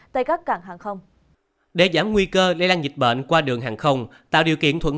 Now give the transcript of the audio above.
tại các cảng hàng không để giảm nguy cơ lây lan dịch bệnh qua đường hàng không tạo điều kiện thuận